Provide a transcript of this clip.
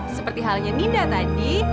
seperti halnya ninda tadi